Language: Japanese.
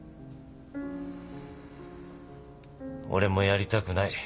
俺もやりたくない。